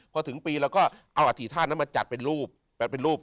พอถึงปีแล้วก็เอาอธิษฐานนั้นมาจัดเป็นรูป